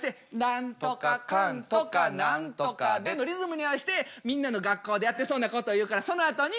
何とかかんとか何とかでのリズムに合わしてみんなの学校でやってそうなことを言うからそのあとに。